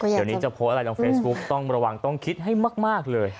เดี๋ยวนี้จะโพสต์อะไรลงเฟซบุ๊คต้องระวังต้องคิดให้มากเลย